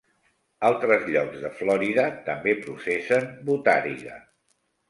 Altres llocs de Florida també processen botàriga.